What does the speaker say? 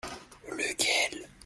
Lequel ?